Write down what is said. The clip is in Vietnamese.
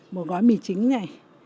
một gói mì chính này